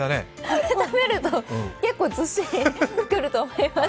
これ食べると、結構ずっしりくると思います。